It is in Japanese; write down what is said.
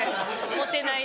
モテない？